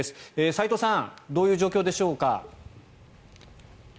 齋藤さんどういう状況でしょうか。